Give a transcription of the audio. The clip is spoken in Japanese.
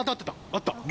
あった！